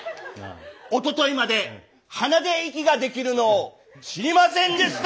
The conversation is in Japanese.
「おとといまで鼻で息ができるのを知りませんでした」。